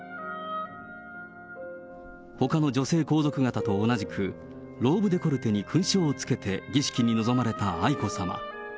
ほかの女性皇族方と同じく、ローブデコルテに勲章をつけて儀式に臨まれた愛子さま。